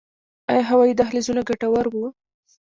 آیا هوایي دهلیزونه ګټور وو؟